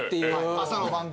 朝の番組。